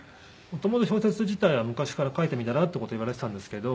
元々小説自体は昔から「書いてみたら？」っていう事を言われてたんですけど。